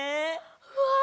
うわ！